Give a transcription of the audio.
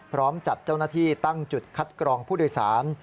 พร้อมจัดเจ้าหน้าที่ตั้งจุดคัดกรองผู้โดยสาร